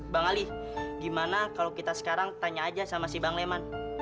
bang ali gimana kalau kita sekarang tanya aja sama si bang leman